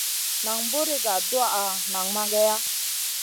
Nan buri ga tuwaʼa nang mageya.